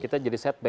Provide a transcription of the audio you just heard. kita jadi setback